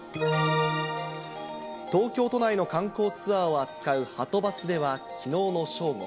東京都内の観光ツアーを使うはとバスではきのうの正午。